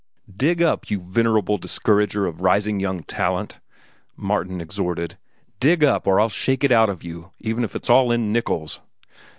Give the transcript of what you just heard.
"Dig up, you venerable discourager of rising young talent!" Martin exhorted. "Dig up, or I'll shake it out of you, even if it's all in nickels."